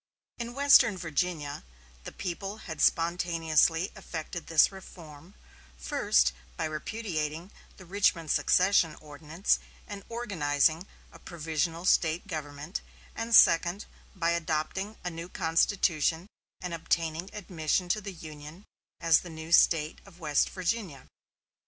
In western Virginia the people had spontaneously effected this reform, first by repudiating the Richmond secession ordinance and organizing a provisional State government, and, second, by adopting a new constitution and obtaining admission to the Union as the new State of West Virginia.